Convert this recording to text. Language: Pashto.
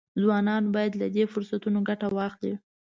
ځوانان باید له دې فرصتونو ګټه واخلي.